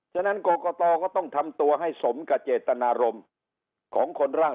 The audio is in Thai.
ฉะนั้นกรกตก็ต้องทำตัวให้สมกับเจตนารมณ์ของคนร่าง